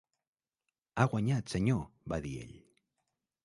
"Ha guanyat, senyor", va dir ell.